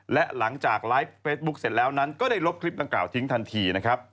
และหลังจากไลฟ์เฟซบุ๊คเสร็จแล้วนั้นก็ได้ลบคลิปดังกล่าทิ้งทันทีนะครับ